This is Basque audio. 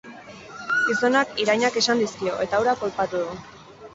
Gizonak irainak esan dizkio, eta hura kolpatu du.